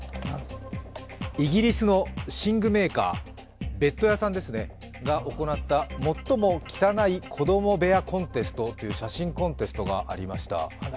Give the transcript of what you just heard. イギリスの寝具メーカー、ベッド屋さんが行った最も汚い子供部屋コンテストという写真コンテストがありました。